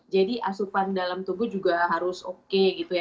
jadi asupan dalam tubuh juga harus oke gitu ya